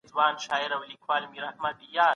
بې طرفه څېړونکی تر متعصب لیکوال غوره دی.